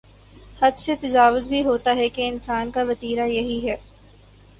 حد سے تجاوز بھی ہوتا ہے کہ انسان کا وتیرہ یہی ہے۔